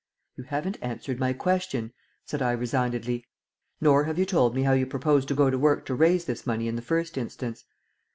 "You haven't answered my question," said I resignedly. "Nor have you told me how you propose to go to work to raise this money in the first instance."